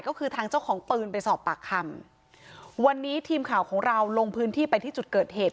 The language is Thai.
ก็คือทางเจ้าของปืนไปสอบปากคำวันนี้ทีมข่าวของเราลงพื้นที่ไปที่จุดเกิดเหตุ